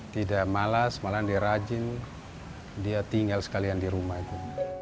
tidak malas malahan dia rajin dia tinggal sekalian di rumah itu